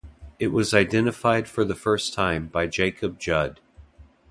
It was identified for the first time by Jakob Jud.